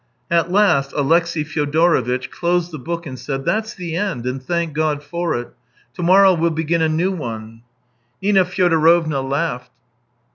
At last Alexey Fyodorovitch closed the book and said: " That's the end, and thank God for it. To morrow we'll begin a new one." Nina Fyodorovna laughed.